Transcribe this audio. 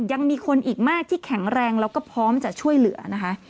ยังมีคนอีกมากที่แข็งแรงแล้วก็พร้อมจะช่วยเหลือนะคะ